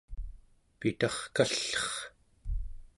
pitarkall'er